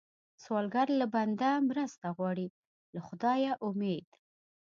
سوالګر له بنده مرسته غواړي، له خدایه امید